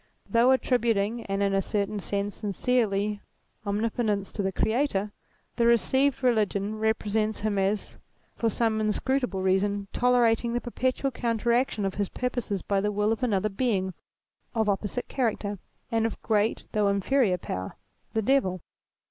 Though attributing, and in a certain sense sincerely, omni potence to the Creator, the received religion represents him as for some inscrutable reason tolerating the per petual counteraction of his purposes by the will oi another Being of opposite character and of great though inferior power, the Devil.